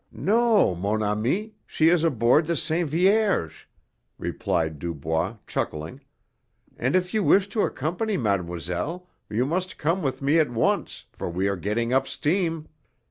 "No, mon ami. She is aboard the Sainte Vierge," replied Dubois, chuckling, "and if you wish to accompany mademoiselle you must come with me at once, for we are getting up steam."